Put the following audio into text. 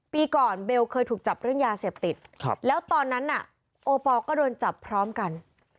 ปีก่อนเบลเคยถูกจับเรื่องยาเสพติดแล้วตอนนั้นน่ะโอปอลก็โดนจับพร้อมกัน